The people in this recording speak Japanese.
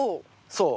そう。